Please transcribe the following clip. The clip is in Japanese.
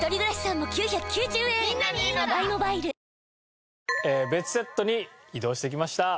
わかるぞ別セットに移動してきました。